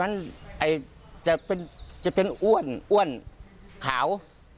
มันจะเป็นอ้วนอ้วนขาว